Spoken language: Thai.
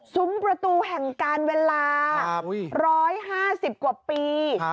ซุ้มประตูแห่งการเวลาร้อยห้าสิบกว่าปี